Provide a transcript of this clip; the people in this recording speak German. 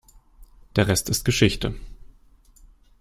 Der Rest ist Geschichte.